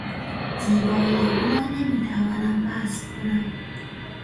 زیبایی او را نمیتوانم وصف کنم.